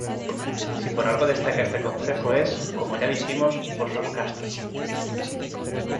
Si por algo destaca este concejo es, como ya dijimos, por sus castros.